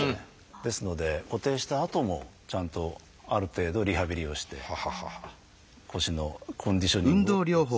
ですので固定したあともちゃんとある程度リハビリをして腰のコンディショニングを良くする必要はあります。